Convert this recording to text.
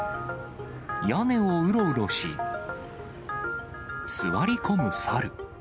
屋根をうろうろし、座り込むサル。